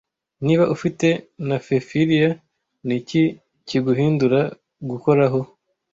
Niba ufite Naphephillia niki kiguhindura Gukoraho